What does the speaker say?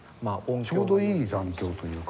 ちょうどいい残響というか。